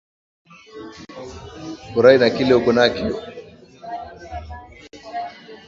Furayi na kile uko nakyo